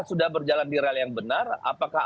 sudah berjalan di rel yang benar apakah